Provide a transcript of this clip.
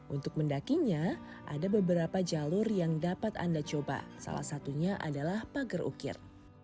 untuk mendakinya ada beberapa jalur yang dapat anda coba salah satunya adalah pagar ukir